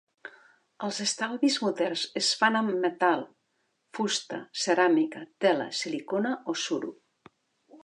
Els estalvis moderns es fan amb metal, fusta, ceràmica, tela, silicona o suro.